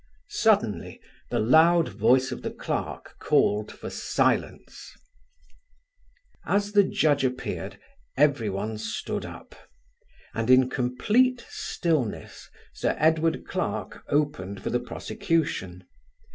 Suddenly the loud voice of the clerk called for silence. As the judge appeared everyone stood up and in complete stillness Sir Edward Clarke opened for the prosecution.